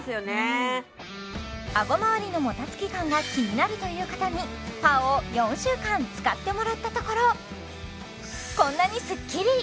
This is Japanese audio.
あごまわりのもたつき感が気になるという方にＰＡＯを４週間使ってもらったところこんなにスッキリ！